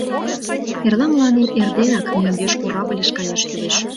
— Эрла мыланем эрденак мӧҥгеш корабльыш каяш кӱлеш.